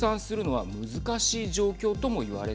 はい。